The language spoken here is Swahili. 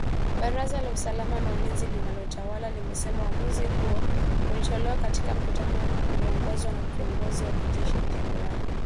Baraza la usalama na ulinzi linalotawala limesema uamuzi huo ulitolewa katika mkutano ulioongozwa na kiongozi wa kijeshi , Generali Abdel